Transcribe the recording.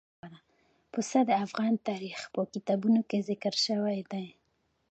پسه د افغان تاریخ په کتابونو کې ذکر شوی دي.